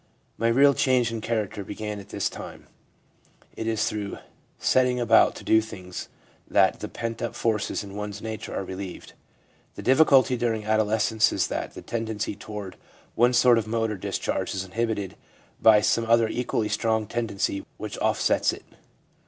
My real change in character began at this time/ It is through setting about to do things that the pent up forces in one's nature are relieved. The difficulty during adolescence is that the tendency toward one sort of motor discharge is inhibited by some other equally strong tendency which offsets it.